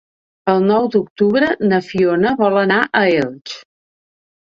El nou d'octubre na Fiona vol anar a Elx.